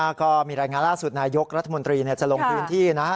แล้วก็มีรายงานล่าสุดนายกรัฐมนตรีจะลงพื้นที่นะ